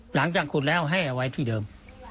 หลังจากขุดแล้วให้เอาไว้ที่เดิม